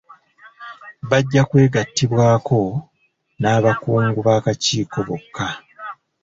Bajja kwegatiibwaako n'abakungu b'akakiiko bokka.